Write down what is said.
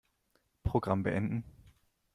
Programm beenden.